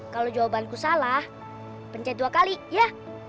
kalau jawabanku salah pencet dua kali ya